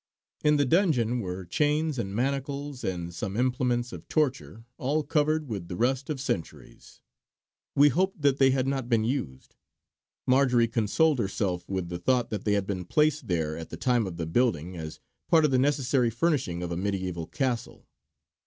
In the dungeon were chains and manacles and some implements of torture, all covered with the rust of centuries. We hoped that they had not been used. Marjory consoled herself with the thought that they had been placed there at the time of the building as part of the necessary furnishing of a mediæval castle.